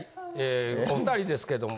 お２人ですけども。